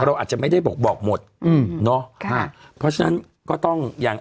เราอาจจะไม่ได้บอกบอกหมดอืมเนอะค่ะเพราะฉะนั้นก็ต้องอย่าง